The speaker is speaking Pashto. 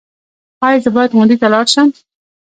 ایا زه باید غونډې ته لاړ شم؟